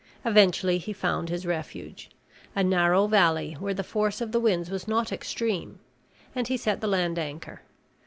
Eventually he found his refuge a narrow valley where the force of the winds was not extreme and he set the land anchor.